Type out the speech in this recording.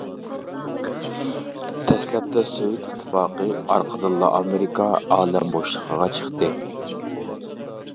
دەسلەپتە سوۋېت ئىتتىپاقى، ئارقىدىنلا ئامېرىكا ئالەم بوشلۇقىغا چىقتى.